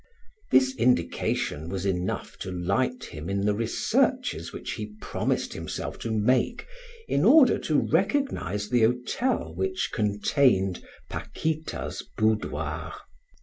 This indication was enough to light him in the researches which he promised himself to make in order to recognize the hotel which contained Paquita's boudoir.